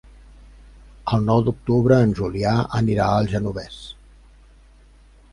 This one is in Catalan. El nou d'octubre en Julià anirà al Genovés.